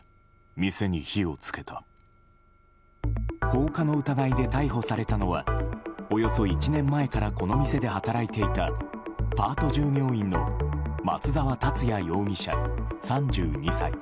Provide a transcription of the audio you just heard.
放火の疑いで逮捕されたのはおよそ１年前からこの店で働いていたパート従業員の松沢達也容疑者、３２歳。